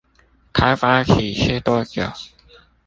開發期是多久？